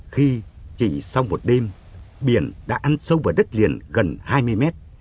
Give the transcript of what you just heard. khi chỉ sau một đêm biển đã ăn sâu vào đất liền gần hai mươi mét